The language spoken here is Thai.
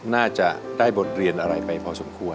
น่าจะได้บทเรียนอะไรไปพอสมควร